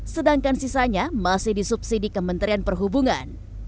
sedangkan sisanya masih disubsidi kementerian perhubungan